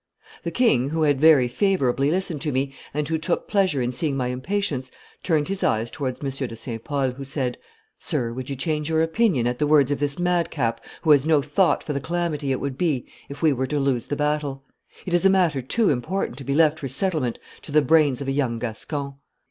The king, who had very favorably listened to me, and who took pleasure in seeing my impatience, turned his eyes towards M. de St. Pol, who said, 'Sir, would you change your opinion at the words of this madcap, who has no thought for the calamity it would be if we were to lose the battle? It is a matter too important to be left for settlement to the brains of a young Gascon.